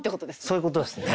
そういうことですね。